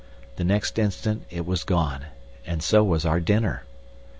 The next instant it was gone and so was our dinner.